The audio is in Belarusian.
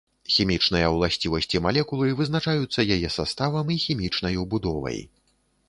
Хімічныя ўласцівасці малекулы вызначаюцца яе саставам і хімічнаю будовай.